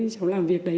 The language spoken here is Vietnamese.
cháu làm việc đấy